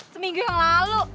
seminggu yang lalu